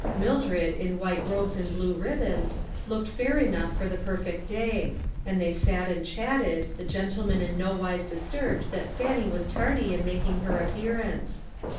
Mildred, in white robes and blue ribbons, looked fair enough for the perfect day ; and they sat and chatted, the gentleman in no wise dis turbed that Fannie was tardy in making her appearance.